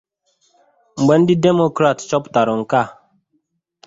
Mgbe ndị Demokrat chọpụtara nke a